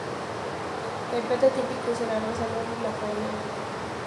El plato típico es el arroz al horno y la paella.